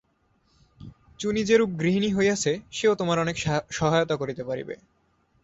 চুনি যেরূপ গৃহিণী হইয়াছে সেও তোমার অনেক সহায়তা করিতে পারিবে।